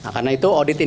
karena itu audit ini akan